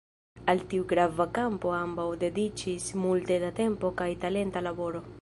Al tiu grava kampo ambaŭ dediĉis multe da tempo kaj talenta laboro.